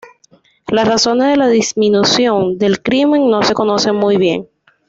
Las razones de la disminución del crimen no se conocen muy bien.